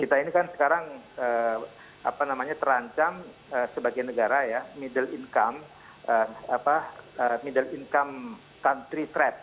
kita ini kan sekarang apa namanya terancam sebagai negara ya middle income apa middle income country threat